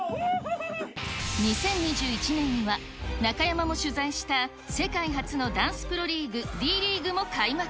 ２０２１年には、中山も取材した世界初のダンスプロリーグ、Ｄリーグも開幕。